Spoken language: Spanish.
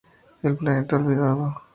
El planeta olvidado.